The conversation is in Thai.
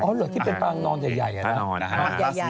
อ๋อหรือที่เป็นพางนอนใหญ่